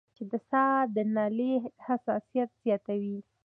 چې د ساه د نالۍ حساسيت زياتوي